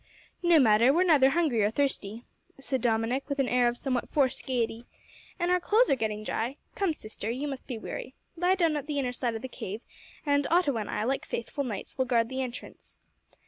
"No matter, we're neither hungry nor thirsty," said Dominick, with an air of somewhat forced gaiety, "and our clothes are getting dry. Come, sister, you must be weary. Lie down at the inner side of the cave, and Otto and I, like faithful knights, will guard the entrance.